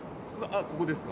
ここですか？